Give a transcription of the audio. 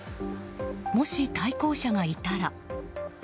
もし対向車がいたら。